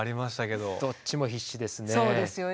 どっちも必死ですね。